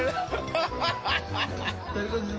ハハハハ！